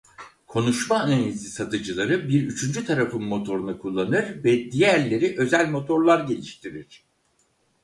Konuşma analizi satıcıları bir üçüncü tarafın "motorunu" kullanır ve diğerleri özel motorlar geliştirir.